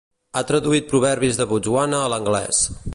Ha traduït proverbis de Botswana a l'anglès.